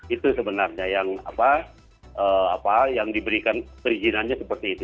itu sebenarnya yang diberikan perizinannya seperti itu